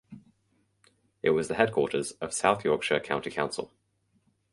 It was the headquarters of South Yorkshire County Council.